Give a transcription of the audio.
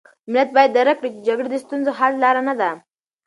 ملت باید درک کړي چې جګړه د ستونزو د حل لاره نه ده.